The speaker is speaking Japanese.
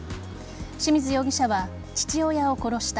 志水容疑者は父親を殺した。